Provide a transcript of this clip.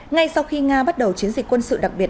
ngay sau khi nga bắt đầu chiến dịch quân sự đặc biệt